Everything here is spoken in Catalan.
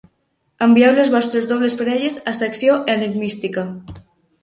Envieu les vostres dobles parelles a Secció Enigmística.